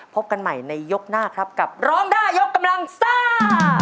พบกันใหม่ในยกหน้าครับกับร้องได้ยกกำลังซ่า